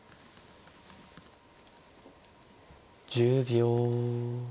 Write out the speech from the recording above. １０秒。